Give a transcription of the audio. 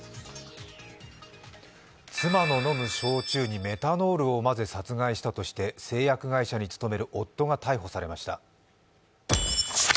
妻の飲む焼酎にメタノールを混ぜ殺害したとして製薬会社に勤める夫が逮捕されました。